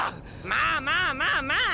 まあまあまあまあ！